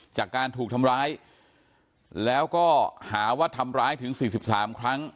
จากการถูกทำร้ายแล้วก็หาว่าทำร้ายถึง๔๓ครั้ง